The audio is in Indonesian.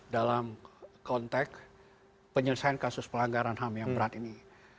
dalam konteks penyelesaian kasus pelanggaran ham yang berat ini